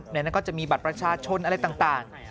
ในนั้นก็จะมีบัตรประชาชนอะไรต่าง